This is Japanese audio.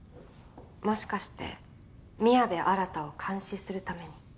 もしかして宮部新を監視するために？